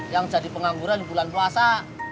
yang jadi pengangguran di bulan puasa